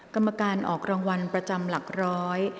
กรรมการออกรางวัลประจำหลักร้อย